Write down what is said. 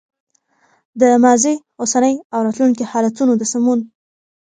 د ماضي، اوسني او راتلونکي حالتونو د سمون